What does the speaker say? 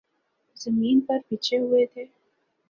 زمین پر بچھے ہوئے تھے۔